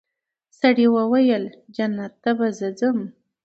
سړي وویل جنت ته به زه ځمه